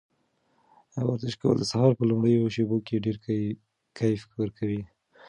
ورزش کول د سهار په لومړیو شېبو کې ډېر کیف ورکوي.